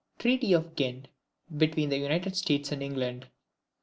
Treaty of Ghent, between the United States and England.